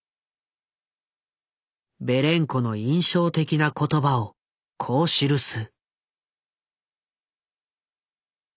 ベレンコの印象的な言葉をこう記す。